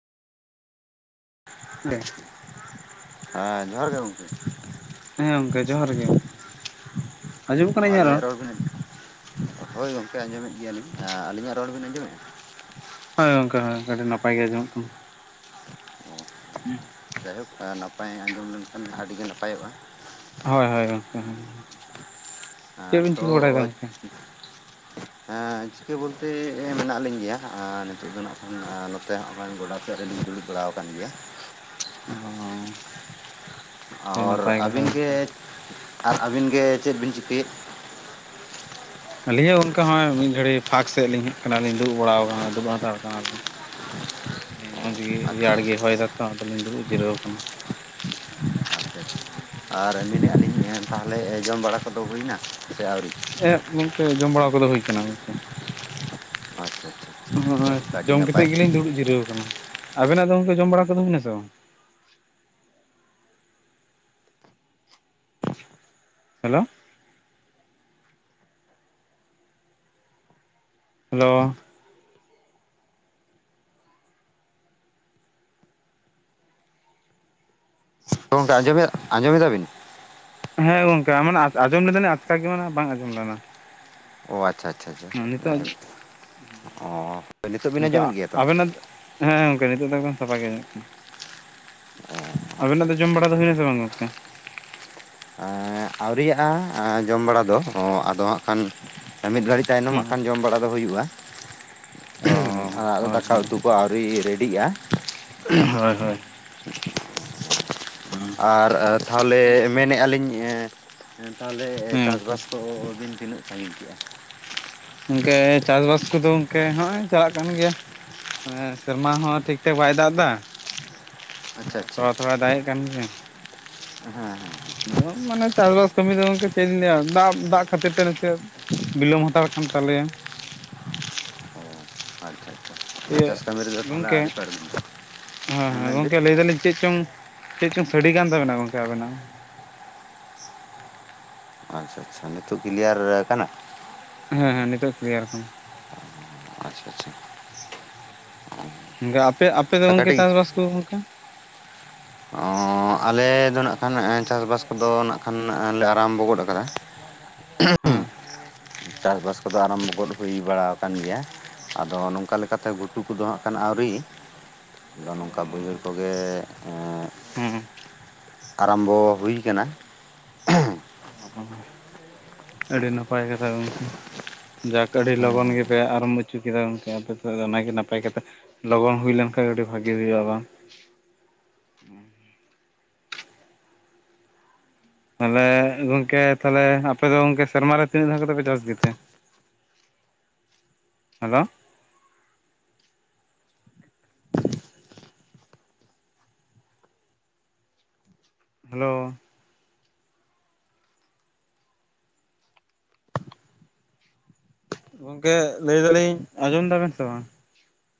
ᱞ ᱦᱮᱸ ᱡᱚᱦᱟᱨ ᱜᱮ ᱜᱚᱝᱠᱮ᱾ ᱦᱮᱸ ᱜᱚᱝᱠᱮ ᱡᱚᱦᱟᱨ ᱜᱮ᱾ ᱟᱸᱡᱚᱢᱚᱜ ᱠᱟᱱᱟ ᱤᱧᱟᱹᱜ ᱟᱹᱞᱤᱧᱟᱜ ᱨᱚᱲ ᱵᱤᱱᱼᱼᱦᱳᱭ ᱜᱚᱝᱠᱮ ᱟᱸᱡᱚᱢᱮᱫ ᱜᱮᱭᱟᱞᱤᱧ᱾ ᱟᱹᱞᱤᱧᱟᱜ ᱨᱚᱲ ᱵᱤᱱ ᱟᱸᱡᱚᱢᱮᱫᱼᱟ? ᱦᱳᱭ ᱜᱚᱝᱠᱮ ᱦᱳᱭ ᱟᱹᱰᱤ ᱱᱟᱯᱟᱭ ᱜᱮ ᱟᱸᱡᱚᱢᱚᱜ ᱠᱟᱱᱟ᱾ ᱦᱮᱸ᱾ ᱡᱟᱭᱦᱳᱠ ᱱᱟᱯᱟᱭ ᱟᱸᱡᱚᱢ ᱞᱮᱱᱠᱷᱟᱱ ᱟᱹᱰᱤᱜᱮ ᱱᱟᱯᱟᱭᱚᱜᱼᱟ᱾ ᱦᱳᱭ ᱦᱳᱭ ᱜᱚᱢᱠᱮ᱾ ᱪᱮᱫᱵᱤᱱ ᱪᱤᱠᱟᱹ ᱵᱟᱲᱟᱭᱫᱟ ᱜᱚᱝᱠᱮ? ᱦᱮᱸ ᱪᱤᱠᱟᱹ ᱵᱳᱞᱛᱮ ᱢᱮᱱᱟᱜ ᱞᱤᱧ ᱜᱮᱭᱟ᱾ ᱱᱤᱛᱚᱜ ᱫᱚ ᱱᱟᱜᱠᱦᱟᱱ- ᱦᱚᱸᱜᱼᱚᱭ ᱜᱚᱰᱟ ᱥᱮᱫ ᱨᱮᱞᱤᱧ ᱫᱩᱲᱩᱵ ᱵᱟᱲᱟᱣ ᱠᱟᱱ ᱜᱮᱭᱟ᱾ ᱚᱻ ᱚᱨ ᱟᱹᱵᱤᱱ ᱜᱮ, ᱟᱨ ᱟᱹᱵᱤᱱ ᱜᱮ ᱪᱮᱫ ᱵᱤᱱ ᱪᱤᱠᱟᱹᱭᱮᱫ? ᱟᱹᱞᱤᱧ ᱦᱚᱸ ᱜᱚᱝᱠᱮ ᱦᱚᱸᱜᱼᱚᱭ ᱢᱤᱫ ᱜᱷᱟᱹᱲᱤ ᱯᱷᱟᱸᱠ ᱥᱮᱫ ᱞᱤᱧ ᱦᱮᱡ ᱟᱠᱟᱱᱟᱞᱤᱧ ᱫᱩᱲᱩᱵ ᱵᱟᱲᱟᱣ ᱟᱠᱟᱱᱟ ᱫᱩᱲᱩᱵ ᱦᱟᱛᱟᱲ ᱠᱟᱱᱟᱞᱤᱧ᱾ ᱢᱚᱡᱽ ᱜᱮ, ᱟᱪᱪᱷᱟ ᱨᱮᱭᱟᱲ ᱜᱮ ᱦᱚᱭ ᱫᱟ ᱛᱚ ᱟᱫᱚᱞᱤᱧ ᱫᱩᱲᱩᱵ ᱡᱤᱨᱟᱹᱣ ᱠᱟᱱᱟ᱾ ᱟᱪᱪᱷᱟ ᱟᱪᱪᱷᱟ, ᱟᱨ ᱢᱮᱱᱮᱫᱼᱟ ᱞᱤᱧ ᱛᱟᱦᱚᱞᱮ ᱡᱚᱢ ᱵᱟᱲᱟ ᱠᱚᱫᱚ ᱦᱩᱭᱱᱟ ᱥᱮ ᱟᱹᱣᱨᱤ? ᱮᱸ ᱜᱚᱢᱠᱮ ᱡᱚᱢ ᱵᱟᱲᱟ ᱠᱚᱫᱚ ᱦᱩᱭᱠᱟᱱᱟ ᱜᱚᱝᱠᱮ᱾ ᱟᱪᱪᱷᱟ ᱟᱪᱷᱟ᱾ ᱦᱳᱭ ᱡᱚᱢ ᱠᱟᱛᱮᱫ ᱜᱮᱞᱤᱧ ᱫᱩᱲᱩᱵ ᱡᱤᱨᱟᱹᱣ ᱟᱠᱟᱱᱟ᱾ ᱟᱵᱮᱱᱟᱜ ᱫᱚ ᱜᱚᱝᱠᱮ ᱡᱚᱢ ᱵᱟᱲᱟ ᱠᱚᱫᱚ ᱦᱩᱭᱱᱟ ᱥᱮ ᱵᱟᱝ? ᱦᱮᱞᱳ᱾ ᱦᱮᱞᱳ᱾ [unintelligible] ᱜᱚᱢᱠᱮ ᱟᱸᱡᱚᱢᱮᱼᱟᱸᱡᱚᱢᱮᱫᱟ ᱵᱤᱱ? ᱦᱮᱸ ᱜᱚᱝᱠᱮ ᱢᱟᱱᱮ ᱟᱼᱟᱸᱡᱚᱢ ᱞᱮᱫᱟᱞᱤᱧ ᱟᱪᱠᱟ ᱜᱮ ᱢᱟᱱᱮ ᱵᱟᱝ ᱟᱸᱡᱚᱢ ᱞᱮᱱᱟ᱾ ᱚ ᱟᱪᱪᱷᱟ ᱟᱪᱪᱷᱟ ᱟᱪᱪᱷᱟ ᱦᱮᱸ ᱱᱤᱛᱚᱜ ᱡᱟᱭᱦᱳᱠ, ᱚᱻ ᱱᱤᱛᱚᱜ ᱵᱤᱱ ᱜᱚᱝᱠᱮ ᱟᱸᱡᱚᱢᱮᱫ ᱜᱮᱭᱟ ᱛᱚ? ᱟᱵᱮᱱᱟᱜ ᱦᱮᱸ ᱜᱚᱝᱠᱮ ᱱᱤᱛᱳ ᱫᱚ ᱮᱠᱫᱚᱢ ᱥᱟᱯᱷᱟ ᱜᱮ ᱟᱧᱡᱚᱢᱚᱜ ᱠᱟᱱᱟ ᱟᱵᱮᱱᱟᱜ ᱫᱚ ᱡᱚᱢ ᱵᱟᱰᱟ ᱫᱚ ᱦᱩᱭᱱᱟᱥᱮ ᱵᱟᱝ ᱜᱚᱝᱠᱮ ᱟᱹᱣᱨᱤᱭᱟᱜᱼᱟ ᱡᱚᱢ ᱵᱟᱲᱟ ᱫᱚ ᱟᱫᱚ ᱦᱟᱸᱜ ᱠᱷᱟᱱ ᱢᱤᱫ ᱜᱷᱟᱹᱲᱤᱡ ᱛᱟᱭᱱᱚᱢ ᱦᱩᱸ ᱦᱟᱸᱜ ᱠᱷᱟᱱ ᱡᱚᱢ ᱵᱟᱲᱟ ᱫᱚ ᱦᱩᱭᱩᱜᱼᱟ ᱚ ᱟᱲᱟᱜ ᱨᱮ ᱦᱳᱭ ᱫᱟᱠᱟ ᱦᱳᱭ ᱩᱛᱩ ᱠᱚ ᱟᱹᱣᱨᱤ ᱨᱮᱰᱤᱜᱼᱟ ᱦᱳᱭ ᱦᱳᱭ ᱟᱨ ᱛᱟᱷᱟᱣᱞᱮ ᱢᱮᱱᱮᱫᱼᱟᱞᱤᱧ ᱮᱸ ᱛᱟᱦᱚᱞᱮ ᱦᱮᱸ ᱪᱟᱥ ᱜᱚᱝᱠᱮ ᱵᱟᱥ ᱠᱚ ᱵᱤᱱ ᱛᱤᱱᱟᱹᱜ ᱥᱟᱺᱜᱤᱧ ᱠᱮᱜᱼᱟ ᱜᱚᱝᱠᱮ ᱪᱟᱥ ᱵᱟᱥ ᱠᱚᱫᱚ ᱜᱚᱝᱠᱮ ᱦᱚᱸᱜᱼᱚᱭ ᱪᱟᱞᱟᱜ ᱠᱟᱱ ᱜᱮᱭᱟ ᱢᱟᱱᱮ ᱥᱮᱨᱢᱟ ᱦᱚᱸ ᱴᱷᱤᱠ ᱴᱷᱟᱠ ᱵᱟᱭ ᱫᱟᱜ ᱮᱫᱟ ᱟᱪᱪᱷᱟ ᱛᱷᱚᱲᱟ ᱛᱷᱚᱲᱟᱭ ᱫᱟᱜ ᱮᱫ ᱠᱟᱱ ᱜᱮᱭᱟ ᱦᱮᱸ ᱦᱮᱸ ᱮᱠᱫᱚᱢ ᱢᱟᱱᱮ ᱪᱟᱥᱵᱟᱥ ᱠᱟᱹᱢᱤ ᱫᱚ ᱜᱚᱝᱠᱮ ᱪᱮᱫᱠᱤᱧ ᱞᱮᱭᱟ ᱫᱟᱜᱼᱫᱟᱜ ᱠᱷᱟᱹᱛᱤᱨ ᱛᱮ ᱱᱥᱮ ᱵᱤᱞᱚᱢ ᱦᱟᱛᱟᱲ ᱠᱟᱱ ᱛᱟᱞᱮᱭᱟ᱾ ᱚ ᱟᱪᱪᱷᱟ ᱟᱪᱪᱷᱟ ᱤᱭᱟᱹ ᱪᱟᱥ ᱠᱟᱹᱢᱤ ᱨᱮᱫᱚ ᱛᱟᱦᱚᱞᱮ ᱜᱚᱝᱠᱮ ᱟᱹᱣᱨᱤ ᱯᱮ ᱟᱬᱜᱚᱱᱟ ᱦᱮᱸ ᱦᱮᱸ ᱜᱚᱝᱠᱮ ᱞᱟᱹᱭ ᱫᱟᱞᱤᱧ ᱪᱮᱫ ᱪᱚᱝ ᱪᱮᱫ ᱪᱚᱝ ᱥᱟᱹᱰᱮ ᱠᱟᱱ ᱛᱟᱵᱮᱱᱟ ᱜᱚᱝᱠᱮ ᱟᱹᱵᱱᱟᱜ ᱦᱚᱸ ᱟᱪᱪᱷᱟ ᱟᱪᱪᱷᱟ ᱱᱤᱛᱚᱜ ᱠᱞᱤᱭᱟᱨ ᱠᱟᱱᱟ ᱦᱮᱸ ᱦᱮᱸ ᱱᱤᱛᱚᱜ ᱠᱞᱤᱭᱟᱨ ᱠᱟᱱᱟ ᱚ ᱟᱪᱪᱷᱟ ᱟᱪᱪᱷᱟ ᱚ ᱜᱚᱝᱠᱮ ᱟᱯᱮ ᱟᱯᱮ ᱫᱚ ᱜᱚᱝᱠᱮ ᱪᱟᱥ ᱵᱟᱥ ᱠᱚᱫᱚ ᱜᱚᱝᱠᱮ ᱚ ᱟᱞᱮ ᱫᱚ ᱱᱟᱜ ᱠᱷᱟᱱ ᱪᱟᱥ ᱵᱟᱥ ᱠᱚᱫᱚ ᱱᱟᱜ ᱠᱷᱟᱱ ᱞᱮ ᱟᱨᱟᱢᱵᱚ ᱜᱚᱫ ᱟᱠᱟᱫᱟ ᱦᱮᱸ ᱪᱟᱥ ᱵᱟᱥ ᱠᱚᱫᱚ ᱟᱨᱟᱢᱵᱷᱚ ᱜᱚᱫ ᱦᱩᱭ ᱵᱟᱲᱟ ᱠᱟᱱ ᱜᱮᱭᱟ ᱟᱫᱚ ᱱᱚᱝᱠᱟ ᱞᱮᱠᱟᱛᱮ ᱜᱷᱩᱴᱩ ᱠᱚᱫᱚ ᱦᱟᱸᱜ ᱠᱷᱟᱱ ᱟᱹᱣᱨᱤ ᱟᱫᱚ ᱱᱚᱝᱠᱟ ᱵᱟᱹᱭᱦᱟᱹᱲ ᱠᱚᱜᱮ ᱦᱩᱸ ᱟᱨᱟᱢᱵᱚ ᱦᱩᱭ ᱠᱟᱱᱟ ᱚ ᱟᱹᱰᱤ ᱱᱟᱯᱟᱭ ᱠᱟᱛᱷᱟ ᱜᱚᱝᱠᱮ ᱡᱟᱠ ᱟᱹᱰᱤ ᱞᱚᱜᱚᱱ ᱜᱮᱯᱮ ᱟᱨᱚᱢᱵᱳ ᱪᱚ ᱠᱮᱫᱟ ᱜᱚᱝᱠᱮ ᱟᱯᱮ ᱫᱚ ᱛᱚ ᱚᱱᱟᱜᱮ ᱱᱟᱯᱟᱭ ᱠᱟᱛᱷᱟ ᱞᱚᱜᱚᱱ ᱦᱩᱭ ᱞᱮᱱ ᱠᱷᱟᱱ ᱟᱹᱰᱤ ᱵᱷᱟᱜᱤ ᱦᱩᱭᱩᱜᱼᱟ ᱵᱟᱝ ᱛᱟᱞᱦᱮ ᱜᱚᱝᱠᱮ ᱛᱟᱦᱞᱮ ᱟᱯᱮ ᱫᱚ ᱜᱚᱝᱠᱮ ᱥᱮᱨᱢᱮ ᱨᱮ ᱛᱤᱱᱟᱹᱜ ᱫᱷᱟᱣ ᱠᱟᱛᱮ ᱯᱮ ᱪᱟᱥ ᱜᱮ ᱛᱮ ᱦᱮᱞᱳ ᱦᱮᱞᱳ ᱜᱚᱝᱠᱮ ᱞᱟᱹᱭ ᱫᱟᱞᱤᱧ ᱟᱸᱡᱚᱢ ᱮᱫᱟᱵᱮᱱ ᱥᱮ ᱵᱟᱝ